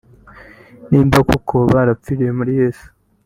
niba koko barapfiriye muri Yesu